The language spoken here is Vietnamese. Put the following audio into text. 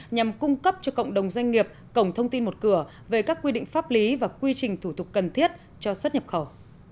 nhằm cung cấp cho cộng đồng doanh nghiệp cổng thông tin một cửa về các quy định pháp lý và quy trình thủ tục cần thiết cho xuất nhập khẩu